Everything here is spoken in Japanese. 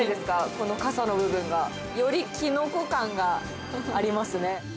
このかさの部分が。よりキノコ感がありますね。